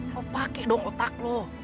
lo pake dong otak lo